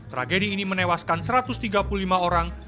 tragedi ini menewaskan satu ratus tiga puluh lima orang